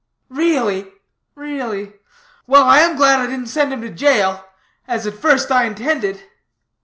"Really, really well, I am glad I didn't send him to jail, as at first I intended."